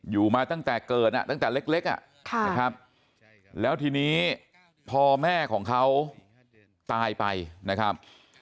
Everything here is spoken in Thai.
อยู่มาตั้งแต่เกิดตั้งแต่เล็กนะครับแล้วทีนี้พอแม่ของเขาตายไปนะครับ